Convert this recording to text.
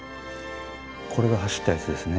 これが走ったやつですね。